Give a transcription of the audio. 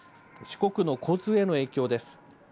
四国の交通への影響です。